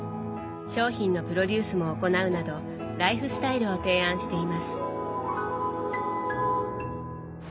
商品のプロデュースも行うなどライフスタイルを提案しています。